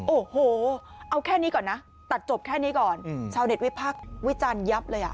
โอ้โหเอาแค่นี้ก่อนนะตัดจบแค่นี้ก่อนชาวเน็ตวิพักษ์วิจารณ์ยับเลยอ่ะ